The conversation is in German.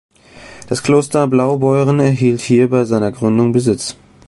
Das Kloster Blaubeuren erhielt hier bei seiner Gründung Besitz.